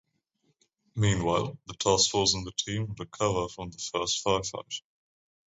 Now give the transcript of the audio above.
Meanwhile, the task force and the Team recover from the first firefight.